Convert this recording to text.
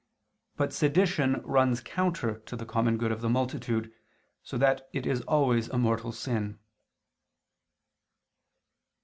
But sedition runs counter to the common good of the multitude, so that it is always a mortal sin.